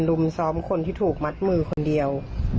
รุมซ้อมคนที่ถูกมัดมือคนเดียว